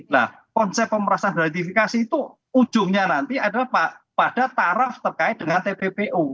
nah konsep pemerasan gratifikasi itu ujungnya nanti adalah pada taraf terkait dengan tppu